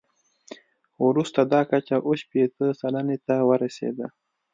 وروسته دا کچه اووه شپېته سلنې ته ورسېده.